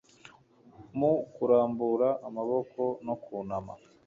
mu kurambura amaboko no kunama